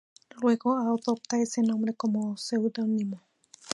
Luego adopta ese nombre como seudónimo.